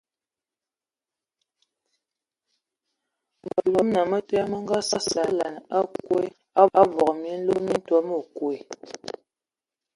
Məluməna mə te mə ngasugəlan a koɛn ai abɔ minlo mi tɔ anə məkwe.